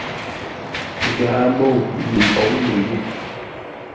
Ghaa môu yi n nkǒŋ no yé.